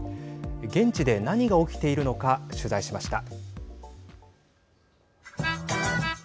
現地で何が起きているのか取材しました。